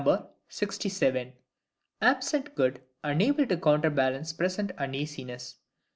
Absent good unable to counterbalance present uneasiness.